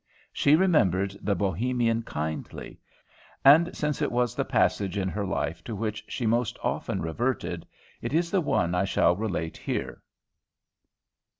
She remembered the Bohemian kindly, and since it was the passage in her life to which she most often reverted, it is the one I shall relate here.